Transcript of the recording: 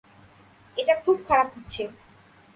এটা খুব খারাপ হচ্ছে।